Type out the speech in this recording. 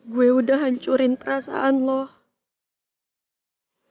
dia soumaumba itu pasti makin murah lagi